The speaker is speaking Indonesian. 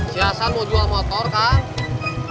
si hasan mau jual motor kang